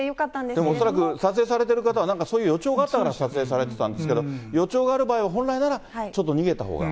でも恐らく撮影されてる方は、なんかそういう予兆があったから撮影されてたんですけど、予兆がある場合は、本来なら、ちょっと逃げたほうが。